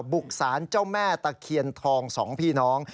บุกสารเจ้าแม่ตะเคียนทองสองพี่น้อง